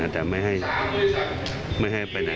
แต่ไม่ให้ไม่ให้ไปไหน